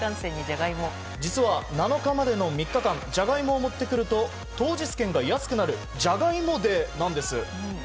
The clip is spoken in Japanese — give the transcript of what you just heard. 実は、７日までの３日間ジャガイモを持ってくると当日券が安くなるじゃがいもデーなんです。